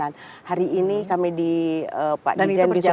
dan hari ini kami di pak dijen di sumatera barat